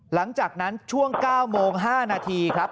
หลังจากนั้นช่วง๙โมง๕นาทีครับ